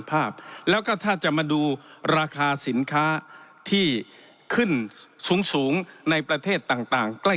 ภาพแล้วก็ถ้าจะมาดูราคาสินค้าที่ขึ้นสูงสูงในประเทศต่างใกล้